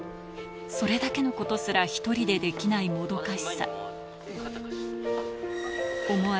それだけのことすら１人でできないもどかしさ。